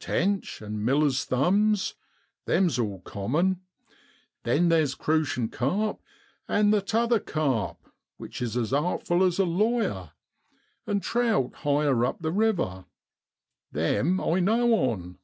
tench, and miller's thumbs them's all common. Then theer's crucian carp, and the 'tother carp, which is as artful as a lawyer, and trout higher up the river them I know on.